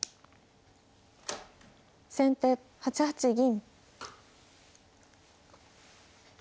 先手８八銀。